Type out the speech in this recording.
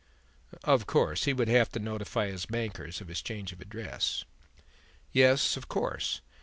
"Of course he would have to notify his bankers of his change of address." "Yes, of course.